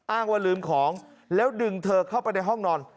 ว่าลืมของแล้วดึงเธอเข้าไปในห้องนอน